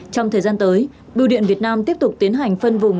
trong thời gian tới bưu điện việt nam tiếp tục tiến hành phân vùng